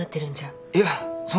いやそんなこと。